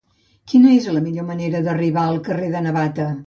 Quina és la millor manera d'arribar al carrer de Navata?